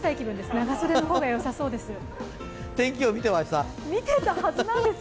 長袖の形がよさそうです。